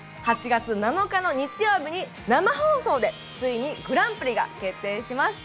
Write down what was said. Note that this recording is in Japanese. ８月７日の日曜日に生放送でついにグランプリが決定します